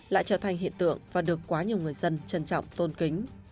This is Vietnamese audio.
lại trở thành hiện tượng và được quá nhiều người dân trân trọng tôn kính